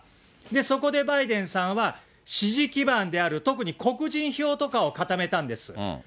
そこでバイデンさんは支持基盤である、特に黒人票とかを固めたんです。